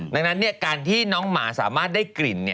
ดังนั้นการที่น้องหมาสามารถได้กลิ่น